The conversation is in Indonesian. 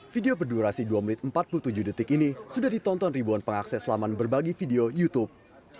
video berdurasi dua menit empat puluh tujuh detik ini sudah ditonton ribuan pengakses laman berbagi video youtube